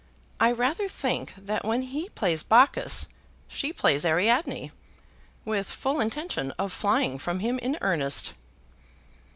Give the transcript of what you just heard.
I rather think that when he plays Bacchus she plays Ariadne, with full intention of flying from him in earnest."